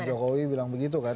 jokowi bilang begitu kan